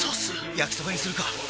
焼きそばにするか！